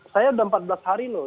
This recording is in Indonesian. saya sudah empat belas hari loh